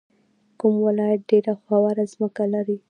کوم ولایت ډیره هواره ځمکه لري؟